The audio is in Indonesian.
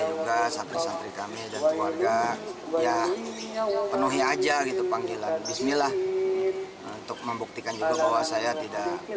ustaz ini kan sudah di limbangan kejelasan